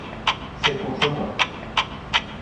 C’est contre moi !